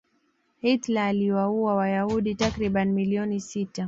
hitler aliwaua wayahudi takribani milioni sita